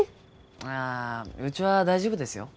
ああうちは大丈夫ですよ。